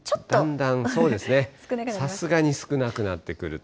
だんだん、そうですね、さすがに少なくなってくると。